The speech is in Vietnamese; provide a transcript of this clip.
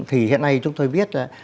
thì hiện nay chúng tôi biết